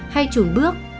hay trùn bước